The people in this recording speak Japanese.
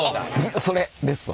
それですわ。